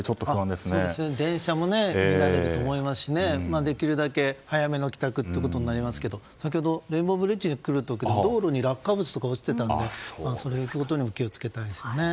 電車も影響あると思いますしできるだけ、早めの帰宅ということになりますけど先ほどレインボーブリッジで道路に落下物とか落ちていたのでそういうところにも気を付けたいですね。